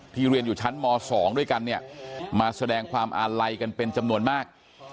เรียนอยู่ชั้นม๒ด้วยกันเนี่ยมาแสดงความอาลัยกันเป็นจำนวนมาก